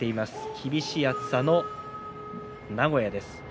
厳しい暑さの名古屋です。